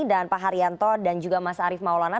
dan pak haryanto dan juga mas arief maulana